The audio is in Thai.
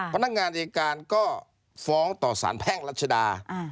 พนักงานอายการก็ฟ้องต่อสารแพ่งรัชดา